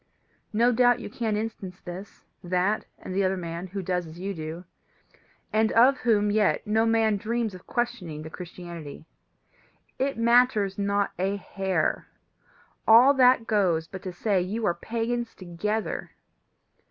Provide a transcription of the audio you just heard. No doubt you can instance this, that, and the other man who does as you do, and of whom yet no man dreams of questioning the Christianity: it matters not a hair; all that goes but to say that you are pagans together.